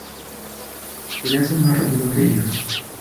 Quería ser más rápido que ellos".